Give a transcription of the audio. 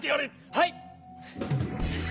はい！